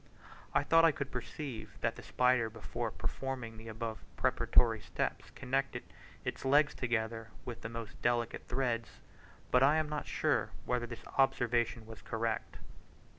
I thought I could perceive that the spider, before performing the above preparatory steps, connected its legs together with the most delicate threads, but I am not sure whether this observation was correct.